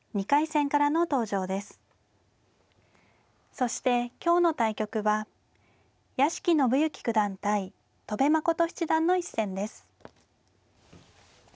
そして今日の対局は屋敷伸之九段対戸辺誠七段の一戦です。